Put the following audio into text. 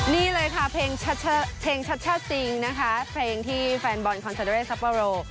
นี่เลยค่ะเพลงชัชช่าซิงนะคะเพลงที่แฟนบอลคอนเซอร์เดอร์เลสัปโปรโล